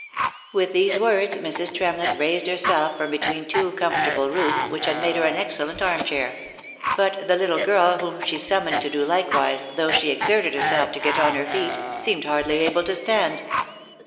*; With these words, Mrs. Tremlett raised herself from between two comfortable roots, which had made her an excellent arm chair ; but the little girl whom she summoned to do likewise, though she exerted herself to get on her feet, seemed hardly able to stand.